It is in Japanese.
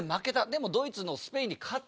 でもドイツスペインに勝った。